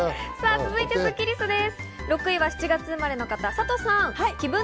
続いてスッキりすです。